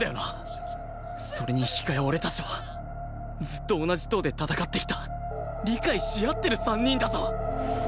それに引き換え俺たちはずっと同じ棟で戦ってきた理解し合ってる３人だぞ！？